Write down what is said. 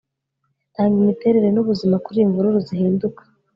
Tanga imiterere nubuzima kuriyi mvururu zihinduka